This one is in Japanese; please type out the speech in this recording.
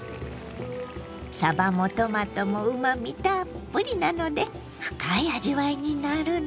さばもトマトもうまみたっぷりなので深い味わいになるの。